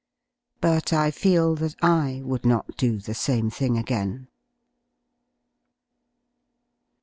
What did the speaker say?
But I feel that I would not do \ the same thing again.